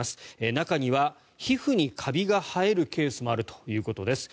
中には皮膚にカビが生えるケースもあるということです。